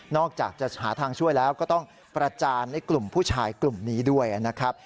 อกจากจะหาทางช่วยแล้วก็ต้องประจานในกลุ่มผู้ชายกลุ่มนี้ด้วยนะครับ